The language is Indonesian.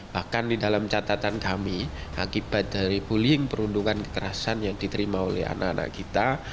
bahkan di dalam catatan kami akibat dari bullying perundungan kekerasan yang diterima oleh anak anak kita